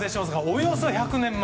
およそ１００年前。